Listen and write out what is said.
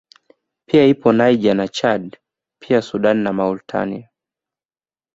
Pia ipo Niger na Chadi pia Sudani na Mauritania